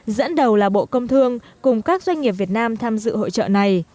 dẫn đầu là bộ công thương cùng các doanh nghiệp việt nam tham dự hội trợ này